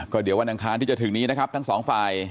เดี๋ยววันอังคารที่จะถึงนี้นะครับทั้งสองฝ่าย